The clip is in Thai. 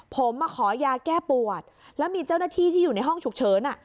ผมมาขอยาแก้ปวดแล้วมีเจ้าหน้าที่ที่อยู่ในห้องฉุกเฉิน